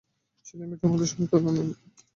ছেলেমেয়েদের মধ্যেও সান্ত্বনা নেই।